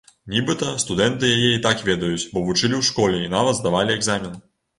Нібыта, студэнты яе і так ведаюць, бо вучылі ў школе, і нават здавалі экзамен.